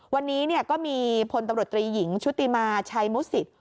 วันนี้ก็มีพลตำรวจตรีหญิงชุติมาชัยมุสิต